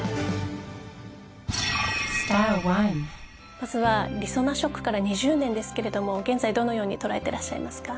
まずはりそなショックから２０年ですけれども現在どのように捉えてらっしゃいますか？